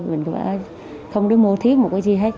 mình cũng phải không để mua thiếu một cái chi hết